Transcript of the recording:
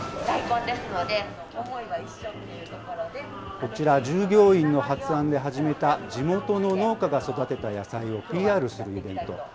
こちら、従業員の発案で始めた地元の農家が育てた野菜をＰＲするイベント。